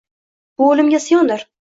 Bu — o’limga isyondir.